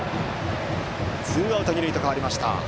ツーアウト二塁と変わりました。